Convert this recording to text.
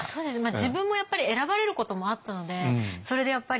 自分もやっぱり選ばれることもあったのでそれでやっぱり